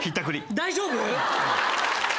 大丈夫！？